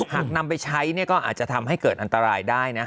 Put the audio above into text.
หากนำไปใช้ก็อาจจะทำให้เกิดอันตรายได้นะ